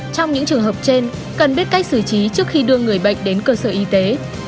trong những trường hợp trên cần biết cách xử trí trước khi đưa người bệnh đến cơ sở y tế